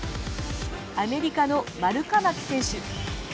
アメリカのマルカマキ選手。